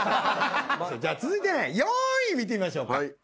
じゃあ続いてね４位見てみましょうか。